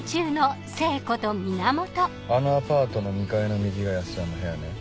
あのアパートの２階の右が安田の部屋ね。